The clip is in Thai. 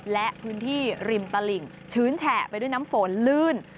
และพื้นที่ริมตลิ่งชื้นแฉะไปด้วยน้ำฝนลื่น